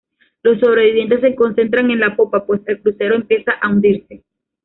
Los sobrevivientes se concentran en la popa, pues el crucero empieza a hundirse.